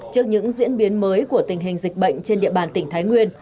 trước những diễn biến mới của tình hình dịch bệnh trên địa bàn tỉnh thái nguyên